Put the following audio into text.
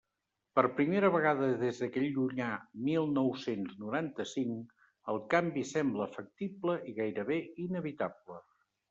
Per primera vegada des d'aquell llunyà mil nou-cents noranta-cinc, el canvi sembla factible i gairebé inevitable.